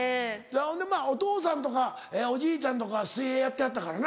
ほんでまぁお父さんとかおじいちゃんとか水泳やってはったからな。